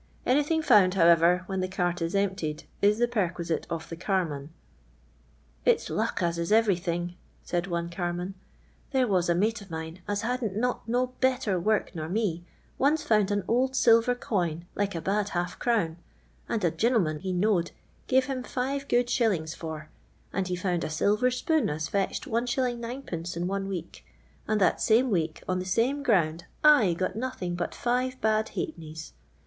Any thing found, however, when the cart is omplieJ is the pi'rquisite of the carman. *' Iz'i luck as is everything ;'' said one carman. " There was a mate of mine as hadn't not uo belter work nor me, once found an old silver coin, likcabad half crown,, as a gen'hnaii he knowed pave him live good shilliiii^ f<ir, and he found a silver spoon as itched la. VU., in one we«'k, and that snme week on the same ground / got nothing but five bad ha'pennies.